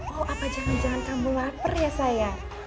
oh apa jangan jangan kamu lapar ya saya